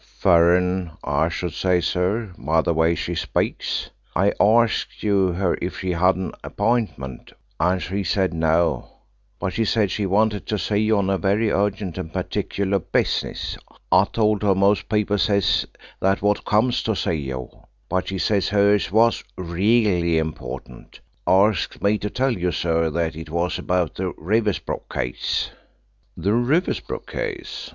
"Furren, I should say, sir, by the way she speaks. I arskt her if she had an appointment, and she said no, but she said she wanted to see you on very urgent and particular business. I told her most people says that wot comes to see you, but she says hers was reely important. Arskt me to tell you, sir, that it was about the Riversbrook case." "The Riversbrook case?